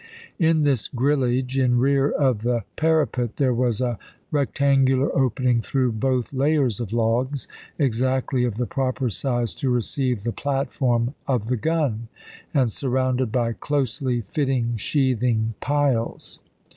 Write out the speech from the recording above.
In this grillage, in rear of the para pet, there was a rectangular opening through both layers of logs, exactly of the proper size to receive the platform of the gun, and surrounded by closely fitting sheathing piles.